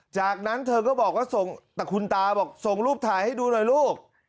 จากนั้นเธอก็บอกว่าส่งแต่คุณตาบอกส่งรูปถ่ายให้ดูหน่อยลูก